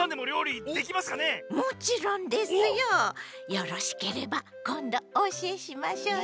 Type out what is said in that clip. よろしければこんどおおしえしましょうね。